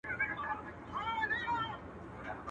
اوبه د سر د پاله خړېږي.